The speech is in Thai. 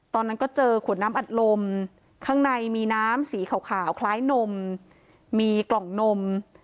ตอนนั้นก็เจอขวดน้ำอัดลมข้างในมีน้ำสีขาวคล้ายนมมีกล่องนม